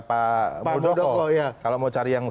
pak mudoko kalau mau cari yang